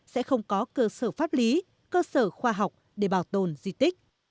sẽ không có cơ sở pháp lý cơ sở khoa học để bảo tồn di tích